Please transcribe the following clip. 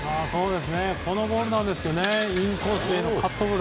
このボールなんですがインコースへのカットボール。